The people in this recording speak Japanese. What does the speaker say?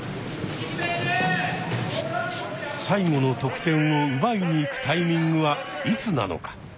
最後の得点を奪いに行くタイミングはいつなのか。